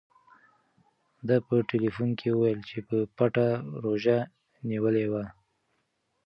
ده په ټیلیفون کې وویل چې په پټه روژه نیولې وه.